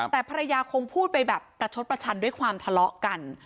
แต่ภรรยาคงพูดไปแบบประชดประชันด้วยความทะเลาะกัน